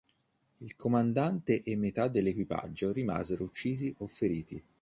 Il comandante e metà dell'equipaggio rimasero uccisi o feriti.